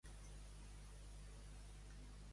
Perdre el remuc.